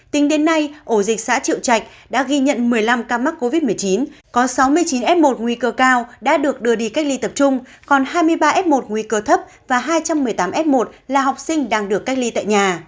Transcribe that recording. tính đến nay ổ dịch xã triệu trạch đã ghi nhận một mươi năm ca mắc covid một mươi chín có sáu mươi chín f một nguy cơ cao đã được đưa đi cách ly tập trung còn hai mươi ba f một nguy cơ thấp và hai trăm một mươi tám f một là học sinh đang được cách ly tại nhà